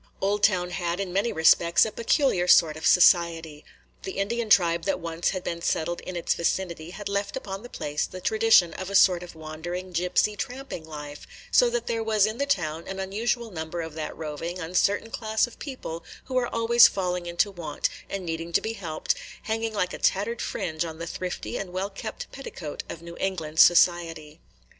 Oldtown had in many respects a peculiar sort of society. The Indian tribe that once had been settled in its vicinity had left upon the place the tradition of a sort of wandering, gypsy, tramping life, so that there was in the town an unusual number of that roving, uncertain class of people, who are always falling into want, and needing to be helped, hanging like a tattered fringe on the thrifty and well kept petticoat of New England society.